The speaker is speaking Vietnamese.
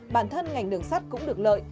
bản thân ngành đường sắt cũng được lợi